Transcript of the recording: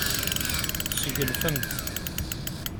Tesgelfemt.